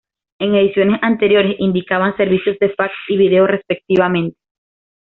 En ediciones anteriores, indicaban servicios de fax y vídeo, respectivamente.